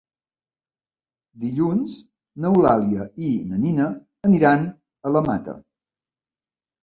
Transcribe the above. Dilluns n'Eulàlia i na Nina aniran a la Mata.